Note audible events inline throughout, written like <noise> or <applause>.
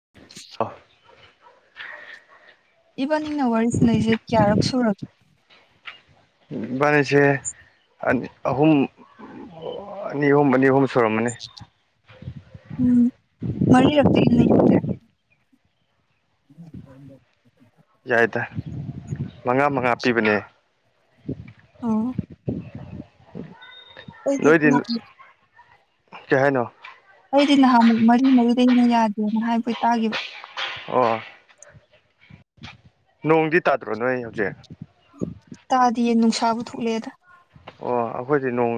<unintelligible> ꯏꯕꯅꯤꯡꯅ ꯋꯥꯔꯤ ꯁꯅꯩꯁꯦ ꯀꯌꯥꯔꯛ ꯁꯨꯔꯒꯦ ꯏꯕꯥꯅꯤꯁꯦ ꯑꯍꯨꯝ ꯑꯅꯤ ꯑꯍꯨꯝ ꯑꯅꯤ ꯑꯍꯨꯝ ꯁꯨꯔꯝꯃꯥꯅꯤ ꯎꯝ ꯃꯔꯤꯔꯛꯇꯩ ꯍꯦꯟ ꯂꯩꯇꯔꯦ <unintelligible> ꯌꯥꯏꯗ ꯃꯉꯥ ꯃꯉꯥ ꯄꯤꯕꯅꯦ ꯑꯣ ꯑꯩꯗꯤ ꯅꯣꯏꯗꯤ ꯅꯍꯥꯟ ꯀꯩ ꯍꯥꯏꯅꯣ ꯑꯩꯗꯤ ꯅꯍꯥꯟꯃꯨꯛ ꯃꯔꯤ ꯃꯔꯤꯗꯩ ꯍꯦꯟꯅ ꯌꯥꯗꯦꯅ ꯍꯥꯏꯕ ꯇꯥꯒꯤꯕ ꯑꯣ ꯅꯣꯡꯗꯤ ꯇꯥꯗ꯭ꯔꯣ ꯅꯣꯏ ꯍꯧꯖꯤꯛ ꯇꯥꯗꯤꯌꯦ ꯅꯨꯡꯁꯥꯕꯨ ꯊꯣꯛꯂꯑꯦꯗ ꯑꯣ ꯑꯩꯈꯣꯏꯗꯤ ꯅꯣꯡ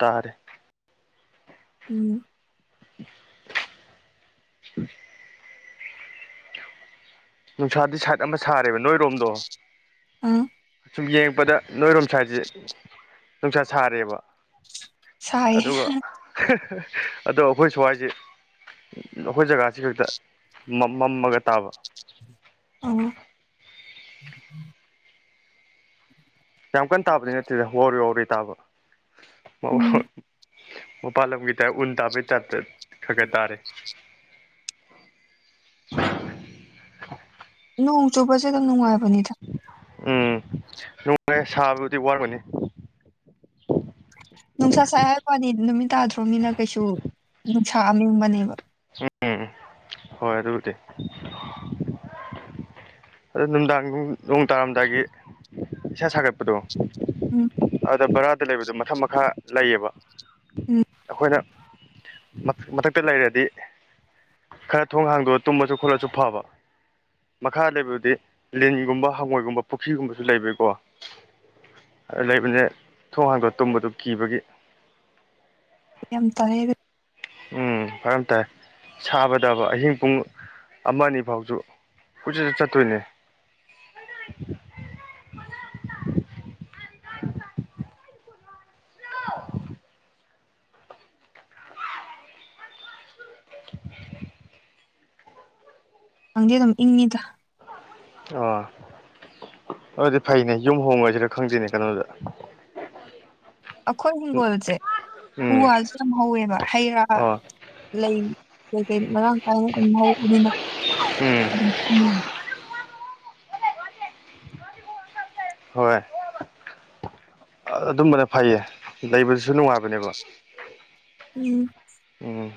ꯇꯥꯔꯦ ꯎꯝ <unintelligible> ꯅꯨꯡꯁꯥꯗꯤ ꯁꯥꯒꯟꯅ ꯁꯥꯔꯦꯕ ꯅꯣꯏꯔꯣꯝꯗꯣ ꯑꯥ ꯁꯨꯝ ꯌꯦꯡꯉꯛꯄꯗ ꯅꯣꯏꯔꯣꯝ ꯁꯥꯏꯠꯁꯦ ꯅꯨꯡꯁꯥ ꯁꯥꯔꯦꯕ ꯁꯥꯏꯌꯦ ꯑꯗꯨꯒ ꯑꯗꯣ ꯑꯩꯈꯣꯏ ꯁ꯭ꯋꯥꯏꯁꯦ ꯑꯩꯈꯣꯏ ꯖꯒꯥꯁꯤ ꯈꯛꯇ ꯃꯝ ꯃꯝꯃꯥꯒ ꯇꯥꯕ ꯑꯣ <unintelligible> ꯌꯥꯝ ꯀꯟꯅ ꯇꯥꯕꯗꯤ ꯅꯠꯇꯦꯗ ꯋꯥꯎꯔꯤ ꯋꯥꯎꯔꯤ ꯇꯥꯕ ꯎꯝ ꯃꯄꯥꯜꯂꯝꯒꯤ ꯇꯥꯏꯞ ꯎꯟ ꯇꯥꯕꯩ ꯇꯞꯇ ꯈꯔ ꯈꯔ ꯇꯥꯔꯤ ꯅꯣꯡ ꯆꯨꯕꯁꯦ ꯑꯗꯨꯝ ꯅꯨꯡꯉꯥꯏꯕꯅꯤꯗ ꯎꯝ <unintelligible> ꯁꯥꯕꯕꯨꯗꯤ ꯋꯥꯔꯒꯅꯤ ꯅꯨꯡꯁꯥ ꯁꯥꯏ ꯍꯥꯏꯕꯩꯋꯥꯅꯤ ꯅꯨꯃꯤꯠ ꯇꯥꯗ꯭ꯔꯣꯝꯅꯤꯅ ꯀꯩꯁꯨ ꯅꯨꯡꯁꯥ ꯑꯃꯦꯡꯕꯅꯦꯕ <unintelligible> ꯍꯣꯏ ꯑꯗꯨꯕꯨꯗꯤ ꯑꯗꯣ ꯅꯨꯡꯗꯥꯡ ꯅꯣꯡ ꯇꯥꯔꯝꯗꯥꯏꯒꯤ ꯏꯁꯥ ꯁꯥꯒꯠꯄꯗꯣ ꯎꯝ ꯑꯗꯨꯗ ꯕꯔꯥꯗ ꯂꯩꯕꯗꯣ ꯃꯊꯛ ꯃꯈꯥ ꯂꯩꯌꯦꯕ ꯎꯝ ꯑꯩꯈꯣꯏꯅ ꯃꯊꯛꯇ ꯂꯩꯔꯗꯤ ꯈꯔ ꯊꯣꯡ ꯍꯥꯡꯗꯣꯛꯑ ꯇꯨꯝꯃꯁꯨ ꯈꯣꯠꯂꯁꯨ ꯐꯕ ꯃꯈꯥ ꯂꯩꯕ ꯗꯤ ꯂꯤꯟꯒꯨꯝꯕ ꯍꯪꯉꯣꯏꯒꯨꯝꯕ ꯄꯨꯈ꯭ꯔꯤꯒꯨꯝꯕꯁꯨ ꯂꯩꯕꯩꯀꯣ ꯂꯩꯕꯅꯤꯅ ꯊꯣꯡ ꯍꯥꯡꯗꯣ ꯇꯨꯝꯕꯗꯨ ꯀꯤꯕꯒꯤ ꯌꯥꯝ ꯇꯜꯂꯦ ꯎꯝ ꯐꯔꯝ ꯇꯥꯏ ꯁꯥꯕꯗꯕ ꯑꯍꯤꯡ ꯄꯨꯡ ꯑꯃꯅꯤ ꯐꯥꯎꯁꯨ ꯀꯣꯏꯠ ꯆꯠꯇꯣꯏꯅꯦ <unintelligible> ꯗꯥꯡꯗꯤ ꯑꯗꯨꯝ ꯏꯪꯉꯤꯗ ꯑꯣꯥ ꯑꯗꯨꯗꯤ ꯐꯩꯅꯦ ꯌꯨꯝ ꯍꯣꯡꯉꯁꯤꯔ ꯈꯪꯗꯦꯅꯦ ꯀꯩꯅꯣꯗꯨꯗ ꯑꯩꯈꯣꯏ ꯍꯤꯡꯒꯣꯜꯁꯦ ꯎ ꯎꯝ ꯋꯥꯜꯁꯨ ꯌꯥꯝ ꯍꯧꯋꯦꯕ ꯍꯩ ꯔꯥ ꯑꯣ ꯂꯩ ꯀꯩ ꯀꯩ ꯃꯔꯥꯡ ꯀꯥꯏꯅ ꯑꯗꯨꯝ ꯍꯧꯕꯅꯤꯅ ꯎꯝ ꯑꯗꯨ ꯍꯣꯏ ꯑꯗꯨꯝꯕꯅ ꯐꯩꯌꯦ ꯂꯩꯕꯗꯨꯁꯨ ꯅꯨꯡꯉꯥꯏꯕꯅꯦꯕ ꯎꯝ ꯎꯝ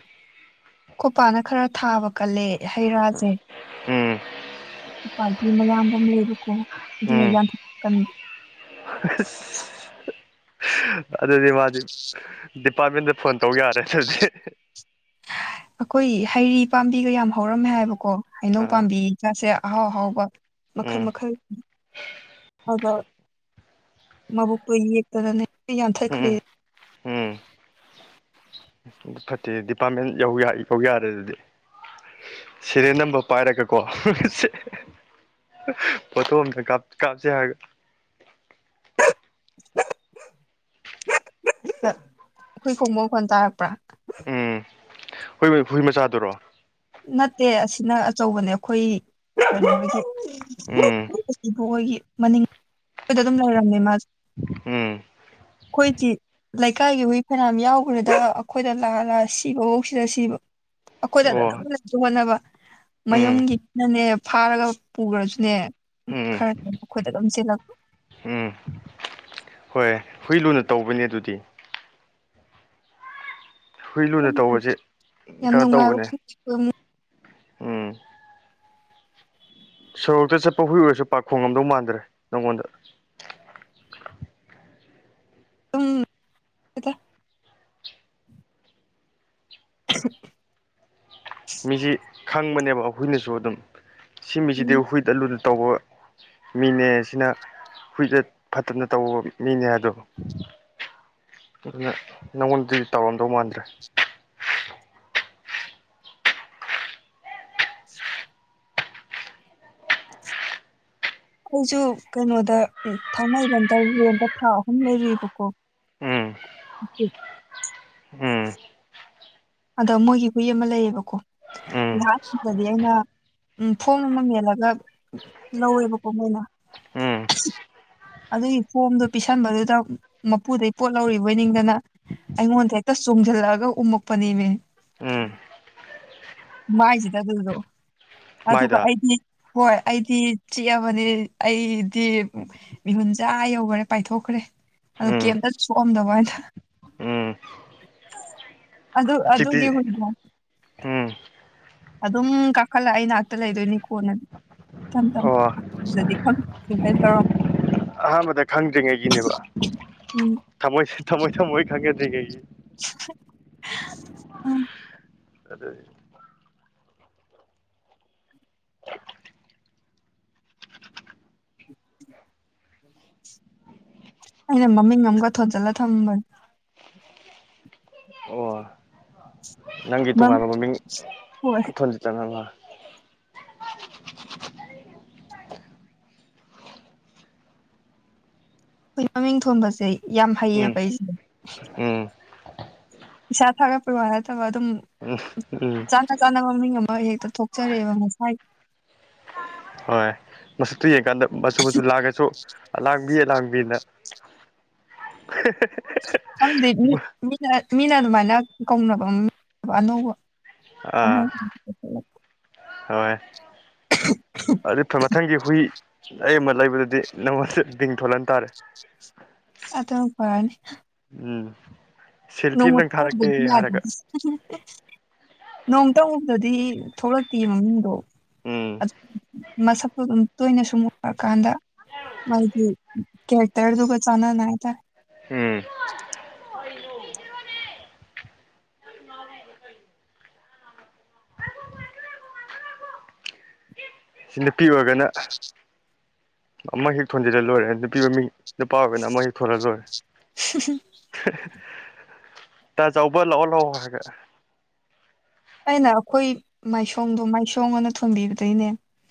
ꯈꯣꯄꯥꯅ ꯈꯔ ꯊꯥꯕ ꯀꯜꯂꯦ ꯍꯩ ꯔꯥꯁꯦ ꯎꯝ ꯄ ꯃꯌꯥꯝꯗꯝ ꯂꯩꯔꯨꯀꯣ ꯑꯗꯨ ꯑ ꯑꯗꯨꯗꯤ ꯃꯥꯗꯤ ꯗꯤꯄꯥꯔꯠꯃꯦꯟꯗ ꯐꯣꯟ ꯇꯧ ꯌꯥꯔꯦ ꯑꯗꯨꯗꯤ ꯑꯩꯈꯣꯏ ꯍꯩꯔꯤ ꯄꯥꯝꯕꯤꯒ ꯌꯥꯝ ꯍꯧꯔꯝꯃꯦ ꯍꯥꯏꯕꯀꯣ ꯍꯩꯅꯧ ꯑꯥ ꯄꯥꯝꯕꯤ ꯆꯁꯦ ꯑꯍꯥꯎ ꯑꯍꯥꯎꯕ ꯃꯈꯜ ꯎꯝ ꯃꯈꯜ ꯍꯗ ꯃꯥꯕꯨꯛꯛꯇ ꯌꯦ ꯌꯦ ꯇꯔꯅꯦ ꯑꯩ ꯌꯥꯟꯊꯠꯈ꯭ꯔꯦ ꯎꯝ ꯎꯝ ꯑꯗꯨ ꯐꯠꯇꯦ ꯗꯤꯄꯥꯔꯠꯃꯦꯟ ꯌꯧ ꯌꯥꯏ ꯀꯧ ꯌꯥꯔꯦ ꯑꯗꯨꯗꯤ ꯁꯤꯔꯦ ꯅꯝꯕ ꯄꯥꯏꯔꯒꯀꯣ ꯄꯣꯊ ꯀꯥꯞ ꯀꯥꯞꯆꯦ ꯍꯥꯏꯒ <inaudible> ꯑꯩꯈꯣꯏ ꯈꯣꯡꯃ ꯐꯣꯟ ꯇꯥꯔꯛꯄ꯭ꯔꯥ ꯎꯝ ꯍꯨꯏ ꯍꯨꯏ ꯃꯆꯥꯗꯨꯔꯣ ꯅꯠꯇꯦ ꯑꯁꯤꯅ ꯑꯆꯧꯕꯅꯦ ꯑꯩꯈꯣꯏ ꯀꯩꯅꯣ ꯎꯝ ꯕꯣꯏꯒꯤ ꯃꯅꯤꯡ ꯑꯩꯈꯗ ꯑꯗꯨꯝ ꯂꯩꯔꯝꯃꯦ ꯃꯥꯁꯦ ꯎꯝ ꯑꯩꯈꯣꯏꯗꯤ ꯂꯩꯀꯥꯏꯒꯤ ꯍꯨꯏ ꯐꯅꯌꯥꯝꯝ ꯌꯥꯎꯈ꯭ꯔꯦꯗ ꯑꯩꯈꯣꯏꯗ ꯂꯥ ꯂꯥ ꯁꯤꯕꯐꯧꯁꯤꯗ ꯁꯤꯕ ꯑꯩꯈꯣꯏꯗ ꯑꯗꯨ ꯑꯣ ꯑꯗꯨꯝ ꯂꯩꯁꯨ ꯍꯣꯠꯅꯕ ꯎꯝ ꯃꯌꯨꯝꯒꯤꯅꯅꯦ ꯐꯥꯔꯒ ꯄꯨꯈ꯭ꯔꯁꯨꯅꯦ ꯎꯝ ꯈꯔ ꯈꯔ ꯃꯈꯣꯏꯗ ꯑꯗꯨꯝꯁꯤꯜꯂꯛꯄ ꯎꯝ ꯍꯣꯏ ꯍꯨꯏ ꯂꯨꯅ ꯇꯧꯕꯅꯦ ꯑꯗꯨꯗꯤ ꯍꯨꯏ ꯂꯨꯅ ꯇꯧꯕꯁꯤꯦ ꯌꯥꯝ ꯀꯩꯅꯣ ꯅꯨꯡꯉꯥꯏꯕ ꯇꯧꯕꯅꯦ ꯑꯗꯨꯝ ꯎꯝ ꯁꯣꯔꯣꯛꯇ ꯆꯠꯄ ꯍꯨꯏ ꯑꯣꯏꯔꯁꯨ ꯄꯥꯈꯣꯡꯉꯝꯗꯧ ꯃꯥꯟꯗ꯭ꯔꯦ ꯅꯪꯉꯣꯟꯗ ꯎꯝ ꯑ ꯃꯤꯁꯤ ꯈꯪꯕꯅꯦꯕ ꯍꯨꯏꯅꯁꯨ ꯑꯗꯨꯝ ꯁꯤ ꯃꯤꯁꯤꯗꯤ ꯍꯨꯏꯗ ꯑꯂꯨꯗ ꯇꯧꯕ ꯃꯤꯅꯦ ꯁꯤꯅ ꯍꯨꯏꯗ ꯐꯠꯇꯅ ꯇꯧꯕ ꯃꯤꯅꯦ ꯑꯗꯣ ꯑꯗꯨꯅ ꯅꯪꯉꯣꯟꯗꯗꯤ ꯇꯧꯔꯝꯗꯧ ꯃꯥꯟꯗ꯭ꯔꯦ ꯑꯩꯁꯨ ꯀꯩꯅꯣꯗ ꯊꯥꯡꯃꯩꯕꯟꯇ ꯔꯦꯟꯗ ꯊꯥ ꯑꯍꯨꯝ ꯂꯩꯔꯨꯏꯕꯀꯣ ꯎꯝ ꯎ ꯎꯝ ꯑꯗꯣ ꯃꯣꯏꯒꯤ ꯍꯨꯏ ꯑꯃ ꯂꯩꯌꯦꯕꯀꯣ ꯎꯝ ꯑꯩꯍꯥꯁꯤꯗꯗꯤ ꯑꯩꯅ ꯎ ꯐꯣꯝ ꯑꯃ ꯃꯜꯂꯒ ꯂꯧꯋꯦꯕꯀꯣ ꯃꯣꯏꯅ ꯎꯝ ꯑꯗꯨꯒꯤ ꯐꯣꯝꯗ ꯄꯤꯁꯟꯕꯗꯨꯗ ꯃꯄꯨꯗꯩ ꯄꯣꯠ ꯂꯧꯔꯤꯕꯣꯏ ꯅꯤꯡꯗꯅ ꯑꯩꯉꯣꯟꯗ ꯍꯦꯛꯇ ꯆꯣꯡꯁꯤꯜꯂꯛꯑꯒ ꯎ ꯄꯅꯤꯕ ꯎꯝ ꯃꯥꯏꯏꯁꯤꯗ ꯑꯗꯨꯗꯣ ꯑꯗꯨꯒ ꯃꯥꯏꯗ ꯑꯩꯗꯤ ꯍꯣꯏ ꯑꯩꯗꯤ ꯆꯤꯛꯑꯕꯅꯤ ꯑꯩꯗꯤ ꯃꯤꯍꯨꯟꯆꯥꯥ ꯌꯧꯈꯔꯦ ꯄꯥꯏꯊꯣꯛꯈ꯭ꯔꯦ ꯑꯗꯨ ꯎꯝ ꯀꯦꯝꯝꯇ ꯁꯣꯛꯑꯝꯗꯕ ꯍꯥꯏꯗ ꯎꯝ ꯑꯗꯨꯗ ꯑꯗꯨꯒꯤ ꯍꯧꯖꯤꯛꯇꯤ ꯍꯨꯨꯔꯗ ꯎꯝ ꯑꯗꯨꯝ ꯀꯥꯈꯠꯂ ꯑꯩ ꯉꯅꯥꯥꯛꯛꯇ ꯂꯩꯗꯣꯏꯅꯤ ꯀꯣꯟꯅ ꯊꯝ ꯑꯣ ꯇꯝꯚꯥꯏ ꯇꯣ ꯑꯍꯥꯟꯕꯗ ꯈꯪꯗ꯭ꯔꯤꯉꯩꯒꯤꯅꯦꯕ ꯎꯝ ꯊꯃꯣꯏ ꯊꯝꯃꯣꯏ ꯊꯝꯃꯣꯏ ꯈꯪꯅꯗ꯭ꯔꯤꯉꯩꯒꯤ <unintelligible> ꯎꯝ ꯑꯗꯨ <inaudible> ꯑꯩꯅ ꯃꯃꯤꯡ ꯑꯃꯒ ꯊꯣꯟꯖꯤꯜꯂꯒ ꯊꯝꯕꯅꯦ ꯑꯣ ꯅꯪꯒꯤ ꯃꯝ ꯇꯣꯉꯥꯟꯕ ꯃꯃꯤꯡ ꯍꯣꯏ ꯊꯣꯟꯖꯤ ꯆꯅꯅꯕꯣ ꯑꯩꯈꯣꯏ ꯃꯃꯤꯡ ꯊꯣꯟꯕꯁꯦ ꯌꯥꯝ ꯎꯝ ꯍꯩꯌꯦꯕ ꯑꯩꯁꯦ ꯎꯝ ꯏꯁꯥ ꯊꯥꯒꯠꯄ ꯋꯥ ꯅꯠꯇꯕ ꯑꯗꯨꯝ ꯎꯝ ꯎꯝ ꯆꯥꯅ ꯆꯥꯅꯕ ꯃꯃꯤꯡ ꯑꯃ ꯍꯦꯛꯇ ꯊꯣꯛꯆꯔꯦꯕ ꯉꯁꯥꯏ ꯍꯣꯏ ꯃꯆꯛꯇꯨ ꯌꯦꯡꯀꯥꯟꯗ ꯃꯆꯨ ꯃꯆꯨ ꯂꯥꯛꯑꯒꯁꯨ ꯂꯥꯡꯕꯤꯌꯦ ꯂꯥꯡꯕꯤꯅ ꯍꯤ ꯍꯤ ꯑꯗꯨꯪꯗꯤ ꯃꯤꯅ ꯃꯤꯅ ꯑꯗꯨꯃꯥꯏꯅ ꯀꯧꯅꯕ ꯑꯃ ꯑꯅꯧꯕ ꯑꯥ ꯑꯅꯧꯕ ꯍꯣꯏ <unintelligible> ꯑꯗꯨꯗꯤ ꯃꯊꯪꯒꯤ ꯍꯨꯏ ꯑꯩ ꯑꯃ ꯂꯩꯕꯗꯗꯤ ꯅꯪꯉꯣꯟꯗ ꯡ ꯊꯣꯜꯍꯟꯇꯥꯥꯔꯦ <unintelligible> ꯑ ꯑꯗꯨꯅ ꯐꯔꯅꯤ ꯎꯝ ꯁꯦꯜꯐꯤ ꯑꯝꯇꯪ ꯅꯣꯡꯃꯠꯇ ꯊꯥꯔꯛꯀꯦ ꯍꯥꯏꯔꯒ ꯅꯣꯡꯇ ꯎꯨꯕꯗꯗꯤ ꯊꯣꯛꯂꯛꯇꯦ ꯃꯃꯤꯡꯗꯣ ꯎꯝ ꯃꯁꯛꯇꯨ ꯑꯗꯨꯝ ꯇꯣꯏꯅ ꯁꯨꯝ ꯃꯨꯛꯀꯥꯟꯗ ꯍꯥꯏꯗꯤ ꯈꯦꯇꯔ ꯇꯒ ꯆꯅꯅ ꯑ ꯎꯝ ꯁꯤ ꯅꯨꯄꯤ ꯑꯣꯏꯔꯒꯅ ꯑꯃꯛ ꯍꯦꯛ ꯊꯣꯟꯖꯤꯜꯂ ꯂꯣꯏꯔꯦ ꯅꯨꯄꯤ ꯃꯃꯤꯡ ꯅꯨꯄꯥ ꯑꯣꯏꯕꯅ ꯑꯃ ꯍꯦꯛ ꯊꯣꯟꯜꯂ ꯂꯣꯏꯔꯦ ꯇꯥ ꯆꯥꯎꯕ ꯂꯥꯛꯑꯣ ꯂꯥꯛꯑꯣ ꯍꯥꯏꯒ ꯑꯩꯅ ꯑꯩꯈꯣꯏ ꯃꯥꯏꯁꯣꯡꯗꯣ ꯃꯥꯏꯁꯣꯡ ꯑꯅ ꯊꯣꯟꯕꯤꯕꯗꯩꯅꯦ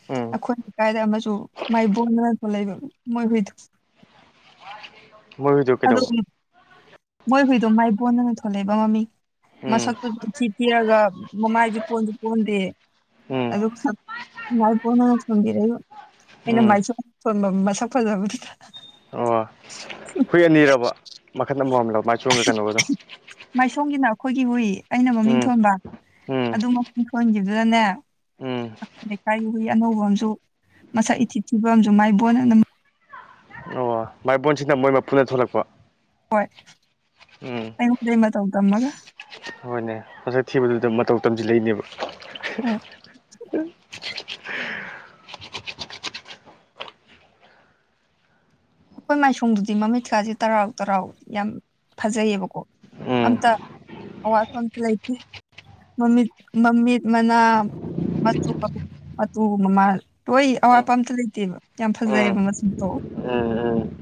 ꯎꯝ ꯑꯩꯈꯣꯏ ꯂꯩꯀꯥꯏꯗ ꯑꯃꯁꯨ ꯃꯥꯏꯕꯣꯟꯗꯅ ꯊꯣꯛꯂ ꯂꯩꯕ ꯃꯣꯏ ꯍꯨꯏꯗꯣ ꯃꯣꯏ ꯍꯨꯏꯗꯣ ꯑ ꯀꯩꯗꯧꯕ ꯃꯣꯏ ꯍꯨꯏꯗꯣ ꯃꯥꯏꯕꯣꯟꯗꯅ ꯊꯣꯂꯛꯏꯕ ꯃꯃꯤꯡ ꯎꯝ ꯃꯁꯛꯇꯨꯗꯊꯤ ꯄꯤꯔꯒ ꯃꯃꯥꯏꯁꯨ ꯄꯣꯟꯁꯨ ꯄꯣꯟꯗꯦ ꯎꯝ ꯑꯗꯨ ꯉꯥꯏ ꯐꯅ ꯆꯗꯔ ꯑꯩꯅ ꯎꯝ ꯃꯥꯏꯁꯣꯟꯕ ꯃꯁꯛ ꯐꯖꯕꯗꯨꯗ ꯑꯣ ꯍꯨꯏ ꯑꯅꯤꯔꯕ ꯃꯈꯟ ꯑꯃ ꯑꯣꯏꯝꯂꯕ ꯃꯥꯏ ꯆꯣꯡꯝꯒ ꯀꯩꯅꯣꯒꯗꯣ ꯃꯥꯏꯁꯣꯝꯒꯤꯅ ꯑꯩꯈꯣꯏꯒꯤ ꯍꯨꯏ ꯑꯩꯅ ꯃꯃꯤꯡ ꯎꯝ ꯊꯣꯟꯕ ꯎꯝ ꯑꯗꯨ ꯃꯃꯤꯡ ꯊꯣꯟꯈꯤꯕꯗꯨꯗꯅꯦ ꯎꯝ ꯂꯩꯀꯥꯏ ꯍꯨꯏ ꯑꯅꯧꯕ ꯑꯃꯁꯝꯨ ꯃꯁꯛ ꯏꯊꯤꯛ ꯊꯤꯕ ꯑꯃꯁꯝꯨ ꯃꯥꯏ ꯕꯣꯟꯅ ꯑꯣ ꯃꯥꯏꯕꯣꯟꯁꯤꯅ ꯃꯣꯏ ꯃꯄꯨꯅ ꯊꯣꯛꯂꯛꯄ ꯍꯣꯏ ꯎꯝ ꯑꯩꯉꯣꯟꯗ ꯃꯇꯧ ꯇꯝꯃꯒ ꯍꯣꯏꯅꯦ ꯃꯁꯛ ꯊꯤꯕꯗꯨꯗ ꯃꯇꯧ ꯇꯝꯁꯤ ꯂꯩꯅꯦꯕ ꯎꯝ ꯑꯩꯈꯣꯏ ꯃꯥꯏꯁꯨꯡꯗꯨꯗꯤ ꯃꯃꯤꯠ ꯀꯥꯁꯦ ꯇꯔꯥꯎ ꯇꯔꯥꯎ ꯌꯥꯝ ꯐꯖꯩꯌꯦꯕꯀꯣ ꯎꯝ ꯑꯝꯇ ꯑꯋꯥꯠꯄ ꯑꯃꯇ ꯂꯩꯥꯇꯦ ꯃꯃꯤꯠ ꯃꯃꯤꯠ ꯃꯅꯥ ꯃꯆꯨ ꯃꯇꯨ ꯃꯃꯥꯟ ꯂꯣꯏ ꯎꯝ ꯑꯋꯥꯠꯄ ꯑꯝꯇ ꯂꯩꯇꯦꯕ ꯌꯥꯝ ꯎꯝ ꯐꯖꯩꯕ ꯃꯆꯨꯗꯣ ꯎꯝ ꯎꯝ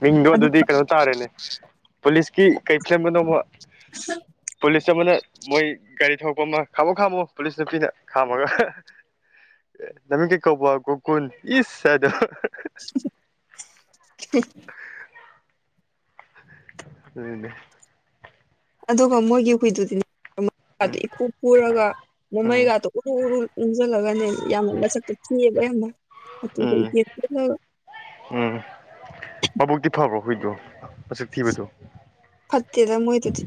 ꯍꯌꯦꯡꯗꯣ ꯑꯗꯨ ꯑꯗꯨꯗꯤ ꯀꯩꯅꯣ ꯇꯥꯔꯦꯅꯦ ꯄꯨꯂꯤꯁꯀꯤ ꯀꯩ ꯐ꯭ꯤꯂꯝꯗꯅꯣ ꯑꯃ ꯄꯨꯂꯤꯁ ꯑꯃꯅ ꯃꯣꯏ ꯒꯥꯔꯤ ꯊꯧꯔꯛꯄ ꯑꯃ ꯈꯥꯝꯃꯣ ꯈꯥꯝꯃꯣ ꯄꯨꯂꯤꯁ ꯅꯨꯄꯤꯅ ꯈꯥꯝꯃꯒ ꯅꯝꯃꯤꯡ ꯀꯩ ꯀꯧꯕꯥ ꯒꯣꯀꯨꯟ ꯏꯁ ꯏꯁ ꯎꯝ ꯑꯗꯨꯒ ꯃꯣꯏꯒꯤ ꯍꯨꯏꯗꯨꯗꯤ ꯃꯃꯤꯠꯀꯗꯨ ꯎꯝ ꯏꯈꯨ ꯈꯨꯔꯒ ꯎꯝ ꯃꯃꯩꯒꯗꯣ ꯎꯔꯨ ꯎꯔꯨ ꯎꯟꯁꯤꯜꯂꯒꯅꯦ ꯌꯥꯝꯅ ꯃꯁꯛꯇꯣ ꯊꯤꯑꯦꯕ ꯌꯥꯝꯅ ꯑꯗꯨꯗ ꯎꯝ ꯂꯦꯞꯄꯒ ꯎꯝ ꯃꯕꯨꯛꯛꯇꯤ ꯐꯕ꯭ꯔꯣ ꯍꯨꯏꯗꯣ ꯃꯁꯛ ꯊꯤꯕꯗꯣ ꯐꯠꯇꯦꯗ ꯃꯣꯏꯗꯨꯗꯤ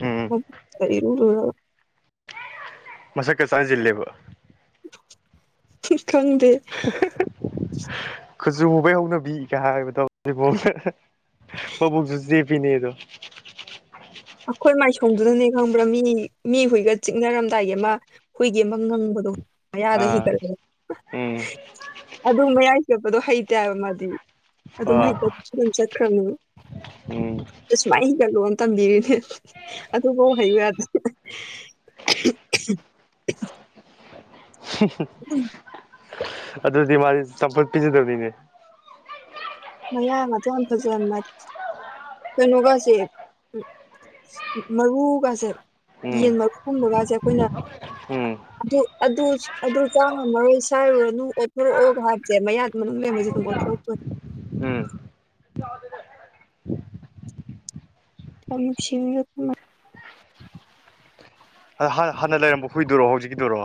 ꯎꯝ ꯃꯕꯨꯛꯀ ꯏꯔꯨ ꯂꯨꯔꯒ ꯃꯁꯛꯀ ꯆꯥꯟꯅꯁꯤꯜꯂꯦꯕ ꯈꯪꯗꯦ ꯀꯨꯆꯨ ꯃꯨꯕꯩ ꯍꯧꯅꯕꯤꯒ ꯍꯥꯏꯕꯗꯣ ꯏꯕꯣꯛ ꯅ ꯃꯕꯨꯛꯁꯨ ꯆꯦꯞꯄꯤꯅꯦꯗꯣ ꯑꯩꯈꯣꯏ ꯃꯥꯏꯁꯣꯡꯗꯨꯅꯅꯦ ꯈꯪꯕ꯭ꯔꯥ ꯃꯤ ꯃꯤ ꯍꯨꯏꯒ ꯆꯤꯛꯅꯔꯝꯗꯥꯏꯒꯤ ꯑꯃ ꯍꯨꯏꯒꯤ ꯑꯃ ꯉꯪꯕꯗꯣ ꯃꯌꯥꯗꯣ ꯑꯥ ꯍꯤꯒꯠꯂ ꯎꯝ ꯑꯗꯨ ꯃꯌꯥꯏ ꯁꯦꯠꯄꯗꯣ ꯍꯩꯇꯦꯕ ꯃꯥꯗꯤ ꯑꯗꯨꯝ ꯍꯩ ꯑꯥ ꯇꯅ ꯑꯗꯨꯝ ꯆꯠꯈ꯭ꯔꯃꯦꯕ ꯎꯝ ꯁꯨꯃꯥꯏꯅ ꯍꯤꯒꯠꯂꯣꯅ ꯇꯝꯕꯤꯔꯤꯅꯦ ꯑꯗꯨꯐꯧ ꯍꯩꯌꯨ ꯌꯥꯗꯦ <unintelligible> ꯑꯗꯨꯗꯤ ꯃꯥꯗꯤ ꯆꯝꯐꯨꯠ ꯄꯤꯖꯗꯕꯤꯅꯦ ꯃꯌꯥ ꯃꯁꯛ <unintelligible> ꯀꯩꯅꯣꯒꯁꯦ ꯃꯔꯨꯒꯁꯦ ꯎꯝ ꯌꯦꯟ ꯃꯔꯨ ꯀꯨꯝꯕꯒꯁꯦ ꯑꯩꯈꯣꯏꯅ ꯎꯝ ꯑꯗꯨ ꯑꯗꯨ ꯑꯗꯨ ꯆꯥ <unintelligible> ꯁꯥꯏꯔꯨꯔꯅꯨ ꯑꯣꯠꯊꯣꯔꯛꯑꯣꯒ ꯍꯥꯏꯕꯁꯦ ꯃꯌꯥꯗ ꯃꯅꯨꯡ ꯂꯩꯕꯁꯦ ꯑꯗꯨꯝ ꯑꯣꯠꯊꯣꯔꯛꯇꯣꯏ ꯎꯝ ꯌꯥꯝ ꯅꯨꯡꯁꯤ ꯍꯥꯟꯅ ꯍꯥꯟꯅ ꯂꯩꯔꯝꯕ ꯍꯨꯏꯗꯔꯣ ꯍꯧꯖꯤꯛꯀꯤꯗꯨꯔꯣ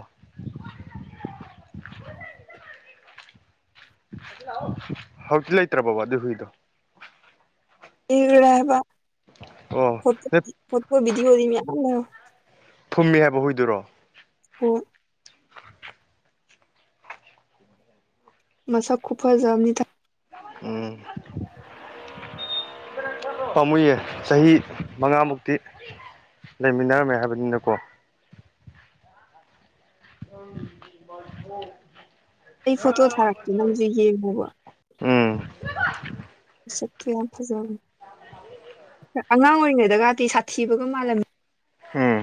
<unintelligible> ꯂꯥꯛꯑꯣ ꯍꯧꯖꯤꯛꯇꯤ ꯂꯩꯇ꯭ꯔꯕꯣ ꯑꯗꯨꯏ ꯍꯨꯏꯗꯣ ꯁꯤꯒꯔꯦ ꯍꯥꯏꯕ ꯑꯣ ꯅ ꯐꯣꯇꯣ ꯕꯤꯗꯤꯑꯣ ꯗꯤ ꯃꯌꯥꯝ ꯂꯩ ꯐꯨꯝꯃꯤ ꯍꯥꯏꯕ ꯍꯨꯏꯗꯨꯔꯣ ꯍꯣꯏ ꯃꯁꯛ ꯈꯨꯐꯖ ꯑꯃꯅꯤ ꯗ ꯎꯝ ꯄꯥꯝꯃꯨꯏꯌꯦ ꯆꯍꯤ ꯃꯉꯥꯃꯨꯛꯇꯤ ꯂꯩꯃꯤꯟꯅꯔꯝꯃꯦ ꯍꯥꯏꯕꯅꯤꯅꯀꯣ <unintelligible> ꯑꯩ ꯐꯣꯇꯣ ꯊꯥꯔꯛꯀꯦ ꯅꯪꯁꯨ ꯌꯦꯡꯉꯨꯕ ꯎꯝ ꯁꯛꯇꯨ ꯌꯥꯝ ꯐꯖꯕꯅꯤ ꯑꯉꯥꯡ ꯑꯣꯏꯔꯤꯉꯩꯗꯒꯗꯤ ꯁꯥꯊꯤꯕꯒ ꯃꯥꯜꯂꯝꯃꯤ ꯎꯝ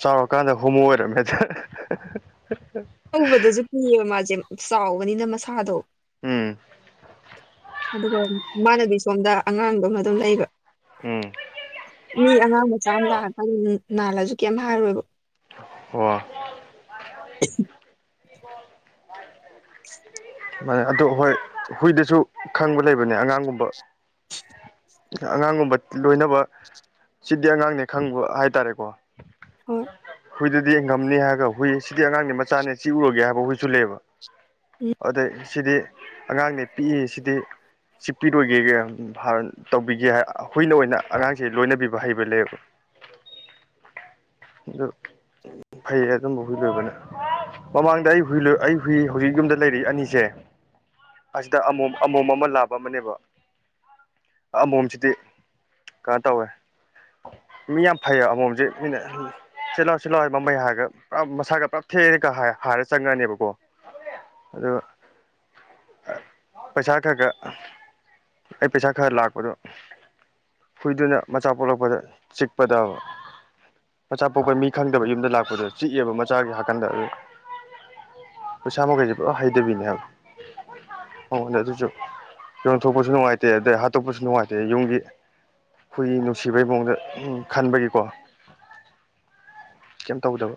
ꯆꯥꯎꯔꯛꯀꯥꯟꯗ ꯍꯣꯃꯣ ꯑꯣꯏꯔꯝꯃꯦꯗ <unintelligible> <inaudible> ꯇꯧꯕꯗꯁꯨ <unintelligible> ꯃꯥꯁꯦ ꯆꯥꯎꯕꯅꯤꯅ ꯃꯁꯥꯗꯣ ꯎꯝ ꯑꯗꯨꯒ ꯃꯥꯟꯅꯕꯤ ꯁꯣꯝꯗ ꯑꯉꯥꯡ ꯗꯧꯅ ꯑꯗꯨꯝ ꯂꯩꯕ ꯎꯝ ꯃꯤ ꯑꯉꯥꯡ ꯃꯆꯥ ꯑꯃ ꯂꯥꯛꯑꯀꯥꯟꯗ ꯅꯥꯜꯂꯁꯨ ꯀꯩꯝ ꯍꯥꯏꯔꯣꯏꯕ ꯑꯣ ꯑꯗꯨ ꯍꯣꯏ ꯍꯨꯏꯗꯁꯨ ꯈꯪꯕ ꯂꯩꯕꯅꯦ ꯑꯉꯥꯡꯒꯨꯝꯕ ꯑꯉꯥꯡꯒꯨꯝꯕ ꯂꯣꯏꯅꯕ ꯁꯤꯗꯤ ꯑꯉꯥꯡꯅꯦ ꯈꯪꯕ ꯍꯥꯏꯇꯥꯔꯦꯀꯣ ꯍꯣꯏ <unintelligible> ꯍꯨꯏꯗꯗꯤꯡ ꯉꯝꯅꯤ ꯍꯥꯏꯔꯒ ꯍꯨꯏ ꯁꯤꯗꯤ ꯑꯉꯥꯡꯅꯦ ꯃꯆꯥꯅꯦ ꯁꯤ ꯎꯔꯒꯦ ꯍꯥꯏꯕ ꯍꯨꯏꯁꯨ ꯂꯩꯕ ꯎꯝ ꯑꯗ ꯁꯤꯗꯤ ꯑꯉꯥꯡꯅꯦ ꯄꯤꯛꯏ ꯁꯤꯗꯤ ꯆꯤꯛꯄꯤꯔꯣꯏꯒꯦꯒ ꯇꯧꯕꯤꯒꯦ ꯍꯨꯏꯅ ꯑꯣꯏꯅ ꯑꯉꯥꯡꯁꯦ ꯂꯣꯏꯅꯕꯤꯕ ꯍꯩꯕ ꯂꯩꯌꯦꯕ ꯑꯗꯨ ꯐꯩ ꯑꯗꯨꯝꯕ ꯍꯨꯏ ꯂꯣꯏꯕꯅ ꯃꯃꯥꯡꯗ ꯑꯩ ꯍꯨꯏ ꯑꯩ ꯍꯨꯏ ꯍꯧꯖꯤꯛ ꯌꯨꯝꯗ ꯂꯩꯔ ꯑꯅꯤꯁꯦ ꯑꯁꯤꯗ ꯑꯃꯣꯝ ꯑꯃꯣꯝ ꯑꯃ ꯂꯥꯕ ꯑꯃꯅꯦꯕ ꯑꯃꯣꯝꯁꯤꯗꯤ ꯀꯥ ꯇꯧꯋꯦ ꯃꯤ ꯌꯥꯝ ꯐꯩꯌꯦ ꯑꯃꯣꯝꯁꯦ ꯃꯤꯅ ꯁꯤꯜ ꯂꯥꯎ ꯁꯤꯠ ꯂꯥꯎ ꯃꯃꯩ ꯍꯥꯏꯔꯒ ꯄꯨꯔꯞ ꯃꯁꯥꯒ ꯄꯨꯔꯞ ꯊꯦꯡꯅꯒ ꯍꯥꯏꯔ ꯆꯪꯉꯛꯅꯦꯕꯀꯣ ꯑꯗꯨ ꯄꯩꯁꯥ ꯈꯔ ꯈ ꯑꯩ ꯄꯩꯁꯥ ꯈꯔ ꯂꯥꯛꯄꯗꯣ ꯍꯨꯏꯗꯨꯅ ꯃꯆꯥ ꯄꯣꯛꯂꯛꯄꯗ ꯆꯤꯛꯄꯗꯕ ꯃꯆꯥ ꯄꯣꯛꯄ ꯃꯤ ꯈꯪꯗꯕ ꯌꯨꯝꯗ ꯂꯥꯛꯄꯗ ꯆꯤꯛꯑꯦꯕ ꯃꯆꯥꯒꯤ ꯍꯥꯀꯟꯗ ꯑꯗꯨ ꯄꯩꯁꯥ ꯃꯈꯩꯁꯦ ꯄꯨꯔ ꯍꯩꯊꯕꯤꯅꯦ ꯍꯥꯏꯕ ꯍꯉꯣꯟꯅꯦ ꯑꯗꯨꯁꯨ ꯌꯣꯡꯊꯣꯛꯄꯁꯨ ꯅꯨꯡꯉꯥꯏꯇꯦ ꯑꯗꯩ ꯍꯥꯠꯇꯣꯛꯄꯁꯨ ꯅꯨꯡꯉꯥꯏꯇꯦ ꯌꯨꯝꯒꯤ ꯍꯨꯏ ꯅꯨꯡꯁꯤꯕꯩ ꯃꯑꯣꯡꯗ ꯈꯟꯕꯩꯀꯣ ꯀꯩꯝ ꯇꯧꯗꯕ